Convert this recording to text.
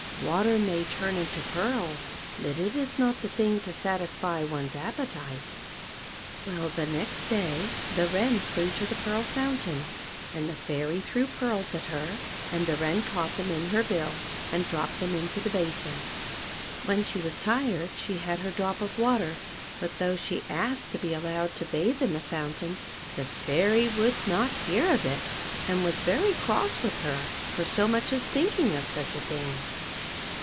Water may turn into pearls, but it is not the thing to satisfy one's appetite. Well the next day the Wren flew to the Pearl Foun tain, and the Fairy threw the pearls at her, and the Wren caught them in her bill and dropped them into the basin. When she was tired she had her drop of water, but though she asked to be allowed to bathe in the fountain, the Fair\' would not hear of it, and was very cross with her for so much as thinking of such a thing.